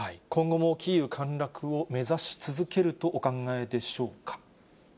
今後もキーウ陥落を目指し続けるとお考えでしょうか。